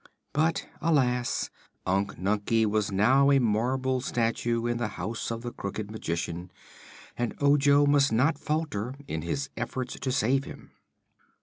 But alas Unc Nunkie was now a marble statue in the house of the Crooked Magician and Ojo must not falter in his efforts to save him.